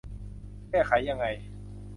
แก้ไขยังไง